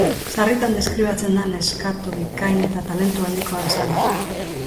Sarritan deskribatzen da neskato bikain eta talentu handikoa bezala.